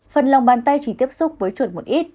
phần lòng bàn tay chỉ tiếp xúc với chuột một ít